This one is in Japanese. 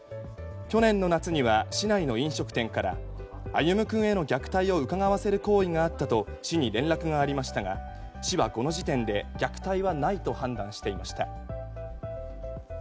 去年の夏には市内の飲食店から歩夢君への虐待を疑わせる行為があったと市に連絡がありましたが市はこの時点で虐待はないと判断していました。